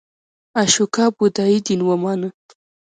اشوکا بودایی دین ومانه.